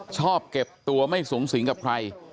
ชอบเก็บตัวไม่สูงสิงกับใคร